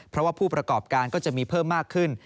เพราะว่าผู้ประกอบการก็จะมีเพิ่มมากขึ้น